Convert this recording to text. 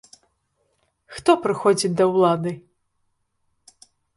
Хто прыходзіць да ўлады?